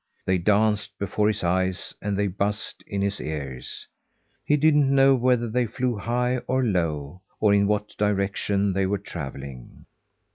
They danced before his eyes and they buzzed in his ears. He didn't know whether they flew high or low, or in what direction they were travelling.